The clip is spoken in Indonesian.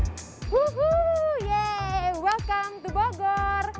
selamat datang di bogor